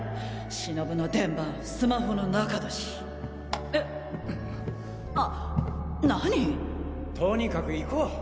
忍の電番スマホの中だしえっあっ何！？とにかく行こう！